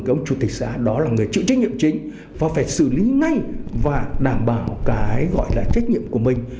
các ông chủ tịch xã đó là người chịu trách nhiệm chính và phải xử lý ngay và đảm bảo cái gọi là trách nhiệm của mình